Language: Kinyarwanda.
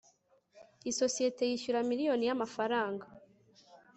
Isosiyete yishyura miliyoni yamafaranga